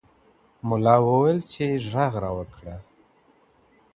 ملا وویل چې غږ راوکړه.